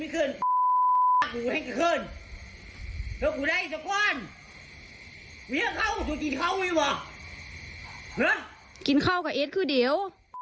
กินข้าวกับเอสคือเดี๋ยว